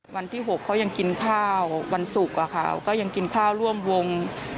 วันที่๖เขายังกินข้าววันศุกร์ก็ยังกินข้าวร่วมวง